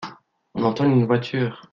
On entend une voiture.